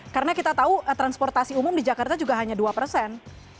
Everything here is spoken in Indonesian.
karena kita tahu transportasi umum di jakarta juga hanya dua persen